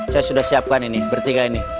saya sudah siapkan ini bertiga ini